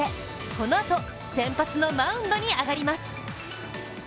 このあと、先発のマウンドに上がります。